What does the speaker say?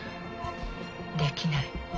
できない。